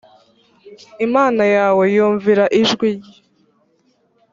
imana yawe wumvira ijwi rye